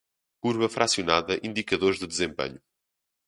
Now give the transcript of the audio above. curva fracionada indicadores de desempenho